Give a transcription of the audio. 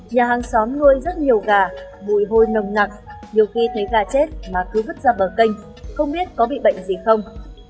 nhà hàng xóm nuôi rất nhiều gà mùi hôi nồng nặc nhiều khi thấy gà chết mà cứ vứt ra bờ kênh không biết có bị bệnh gì không